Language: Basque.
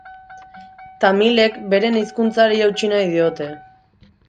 Tamilek beren hizkuntzari eutsi nahi diote.